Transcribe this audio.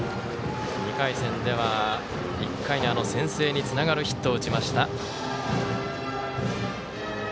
２回戦では１回に先制につながるヒットを打ちました。